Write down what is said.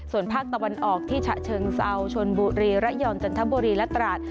ส่วนภาคตะวันออกที่ฉะเชิงเซาชนบุรีระยองจันทบุรีและตราด